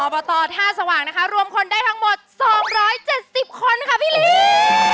บตท่าสว่างนะคะรวมคนได้ทั้งหมด๒๗๐คนค่ะพี่ลิ